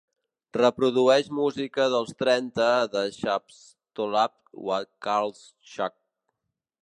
Reprodueix música dels trenta de Swjatoslaw Wakartschuk.